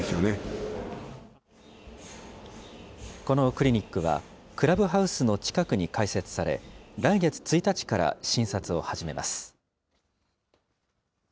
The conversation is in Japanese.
このクリニックは、クラブハウスの近くに開設され、来月１日から診察を始めます。